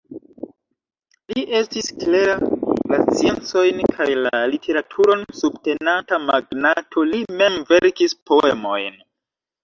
Li estis klera, la sciencojn kaj la literaturon subtenanta magnato, li mem verkis poemojn.